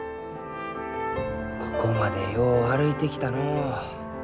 ここまでよう歩いてきたのう。